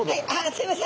すいません。